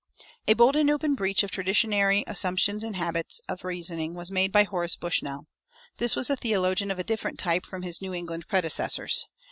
A bold and open breach of traditionary assumptions and habits of reasoning was made by Horace Bushnell. This was a theologian of a different type from his New England predecessors.